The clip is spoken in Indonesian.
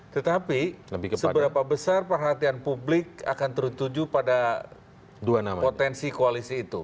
tetapi seberapa besar perhatian publik akan tertuju pada potensi koalisi itu